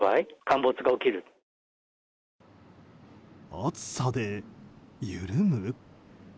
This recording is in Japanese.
暑さで緩む？